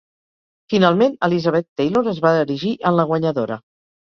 Finalment Elizabeth Taylor es va erigir en la guanyadora.